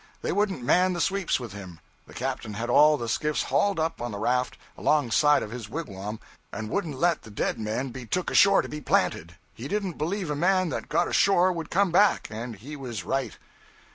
They wouldn't man the sweeps with him. The captain had all the skiffs hauled up on the raft, alongside of his wigwam, and wouldn't let the dead men be took ashore to be planted; he didn't believe a man that got ashore would come back; and he was right.